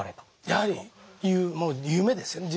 やはりもう夢ですよね。